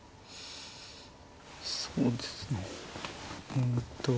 そうですね。